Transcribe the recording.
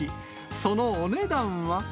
そのお値段は。